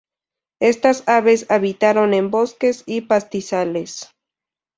Estas aves habitaron en bosques y pastizales.